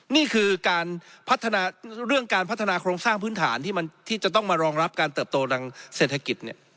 นี่คือเรื่องการพัฒนาโครงสร้างพื้นฐานที่จะต้องมารองรับการเติบโตดังเศรษฐกิจ